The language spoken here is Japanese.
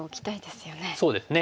そうですね。